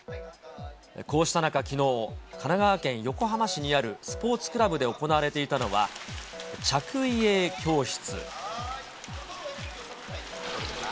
こうした中、きのう、神奈川県横浜市にあるスポーツクラブで行われていたのは着衣泳教室。